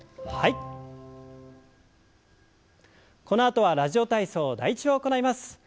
このあとは「ラジオ体操第１」を行います。